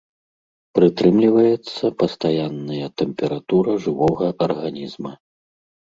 Прытрымліваецца пастаянная тэмпература жывога арганізма.